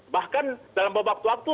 bahkan dalam beberapa waktu